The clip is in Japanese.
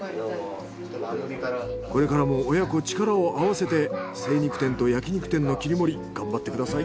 これからも親子力を合わせて精肉店と焼き肉店の切り盛り頑張ってください。